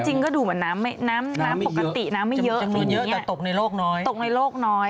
จริงก็ดูเหมือนน้ำปกติน้ำไม่เยอะตกในโลกน้อย